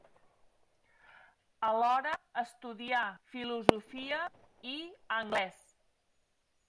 Alhora estudià filosofia i anglès.